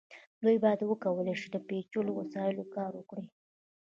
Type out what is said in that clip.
دوی باید وکولی شي په پیچلو وسایلو کار وکړي.